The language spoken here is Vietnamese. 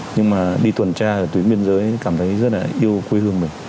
nhưng mà đi tuần tra ở tuyến biên giới cảm thấy rất là yêu quê hương mình